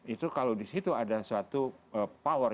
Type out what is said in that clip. itu kalau disitu ada suatu power